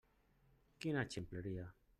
Quina ximpleria!